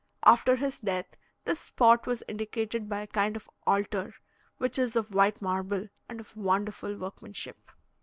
After his death, this spot was indicated by a kind of altar, which is of white marble, and of wonderful workmanship.